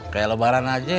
kaya lebaran aja